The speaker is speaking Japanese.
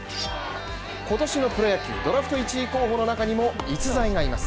今年のプロ野球ドラフト１位候補の中にも逸材がいます。